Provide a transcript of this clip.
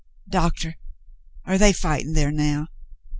Doctor, are they fighting there now